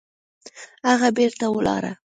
هغه بېرته ولاړه